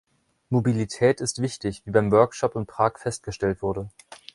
Mobilität ist wichtig, wie beim Workshop in Prag festgestellt wurde.